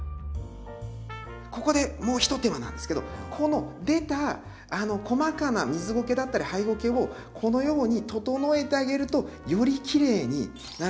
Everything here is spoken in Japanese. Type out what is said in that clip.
ここでもうひと手間なんですけどこの出た細かな水ゴケだったりハイゴケをこのように整えてあげるとよりきれいになるので。